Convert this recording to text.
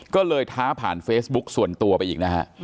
ก็เลยท้าผ่านเฟซบุ๊คส่วนตัวไปอีกนะฮะ